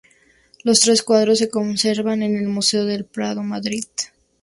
Los tres cuadros se conservan en el Museo del Prado, Madrid.